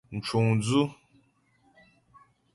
Mcuŋdzʉ́.